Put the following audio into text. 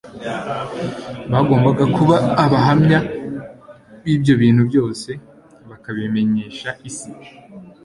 bagombaga kuba abahamya b'ibyo bintu byose bakabimenyesha isi.